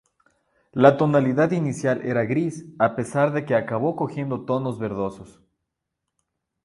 La tonalidad inicial era gris a pesar de que acabó cogiendo tonos verdosos.